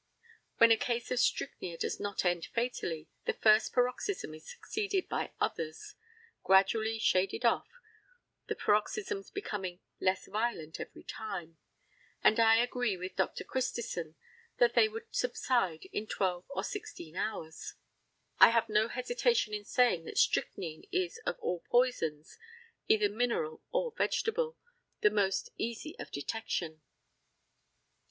When a case of strychnia does not end fatally, the first paroxysm is succeeded by others, gradually shaded off, the paroxysms becoming less violent every time, and I agree with Dr. Christison that they would subside in 12 or 16 hours. I have no hesitation in saying that strychnine is of all poisons, either mineral or vegetable, the most easy of detection.